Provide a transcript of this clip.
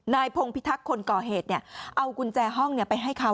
นายพงภิทักษ์คนก่อเหตุเนี่ยเอากุญแจห้องเนี่ยไปให้เขา